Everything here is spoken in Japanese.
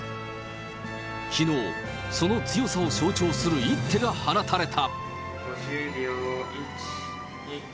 きのう、その強さを象徴する一手が放たれた。